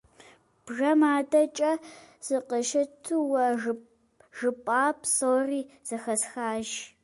Бжэм адэкӀэ сыкъыщыту уэ жыпӀа псори зэхэсхащ.